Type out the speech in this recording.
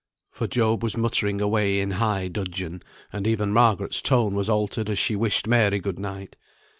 For Job was muttering away in high dudgeon, and even Margaret's tone was altered as she wished Mary good night.